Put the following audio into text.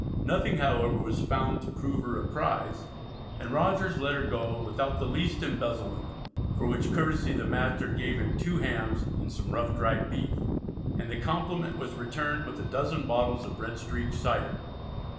Nothing however was found to prove her a prize, and Rogers let her go "without the least embezzlement," for which courtesy the master gave him "two hams, and some ruff dryed beef," and the compliment was returned with "a dozen bottles of red streak Cyder."